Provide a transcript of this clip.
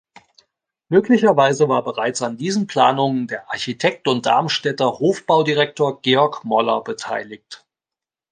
Möglicherweise war bereits an diesen Planungen der Architekt und Darmstädter Hofbaudirektor Georg Moller beteiligt.